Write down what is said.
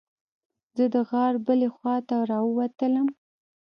زه د غار بلې خوا ته راووتلم.